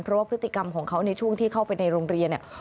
เพราะว่าพฤติกรรมของเขาในช่วงที่เข้าไปในโรงเรียนเนี่ย